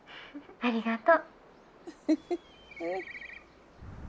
ありがとう。